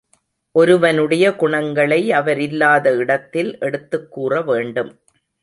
ஒருவருடைய குணங்களை அவரில்லாத இடத்தில் எடுத்துக் கூற வேண்டும்.